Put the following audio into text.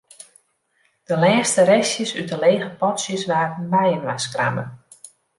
De lêste restjes út de lege potsjes waarden byinoarskrabbe.